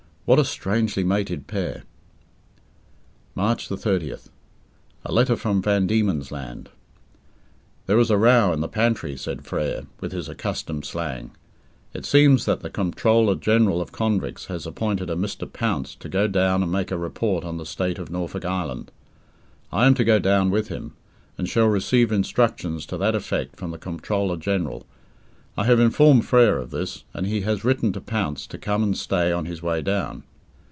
What a strangely mated pair! March 30th. A letter from Van Diemen's Land. "There is a row in the pantry," said Frere, with his accustomed slang. It seems that the Comptroller General of Convicts has appointed a Mr. Pounce to go down and make a report on the state of Norfolk Island. I am to go down with him, and shall receive instructions to that effect from the Comptroller General. I have informed Frere of this, and he has written to Pounce to come and stay on his way down.